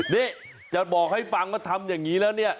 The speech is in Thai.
นี่จะบอกให้ฟังว่าทำอย่างนี้แล้วเนี่ย